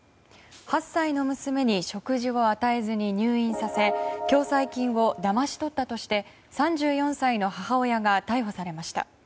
８歳の娘に食事を与えずに入院させ共済金をだまし取ったとして３４歳の母親が逮捕されました。